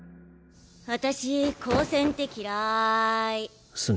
私高専って嫌い。